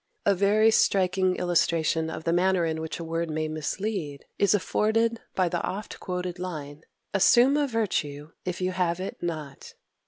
A very striking illustration of the manner in which a word may mislead is afforded by the oft quoted line: "Assume a virtue, if you have it not."